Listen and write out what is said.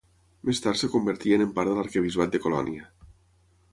Més tard es convertien en part de l'Arquebisbat de Colònia.